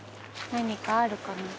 何かあるかな？